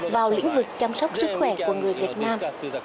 vào lĩnh vực chăm sóc sức khỏe của người việt nam